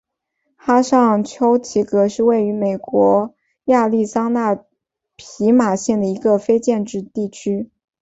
哈尚丘奇格是位于美国亚利桑那州皮马县的一个非建制地区。